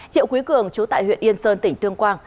triệu quý cường chú tại huyện yên sơn tỉnh tuyên quang